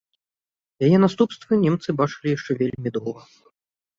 Яе наступствы немцы бачылі яшчэ вельмі доўга.